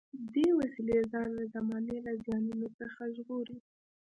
دې وسیله ځان له زمانې له زیانونو څخه ژغوري.